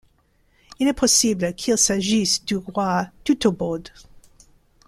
Il est possible qu'il s'agisse du roi Teutobod.